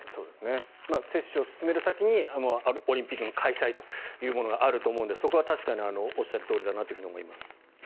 接種を進める先にオリンピックの開催というものがあると思うので、そこは確かにおっしゃるとおりだなと思いますね。